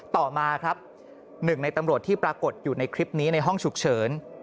ต่อมาครับหนึ่งในตำรวจที่ปรากฏอยู่ในคลิปนี้ในห้องฉุกเฉิน